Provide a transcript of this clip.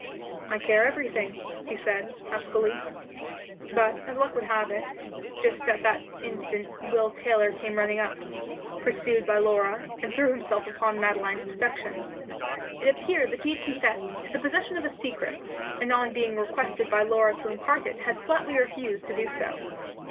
"I care everything," he said, huskily. But, as luck would have it, just at that instant Will Taylor came running up, pursued by Laura, and threw himself upon Madeline's protection. It appeared that he had confessed to the possession of a secret, and on being requested by Laura to impart it had flatly refused to do so.